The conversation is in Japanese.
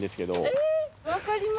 えーっわかります。